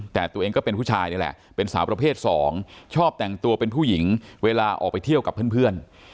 แต่ตัวเองก็เป็นผู้ชายนี่แหละเป็นสาวประเภทสองชอบแต่งตัวเป็นผู้หญิงเวลาออกไปเที่ยวกับเพื่อน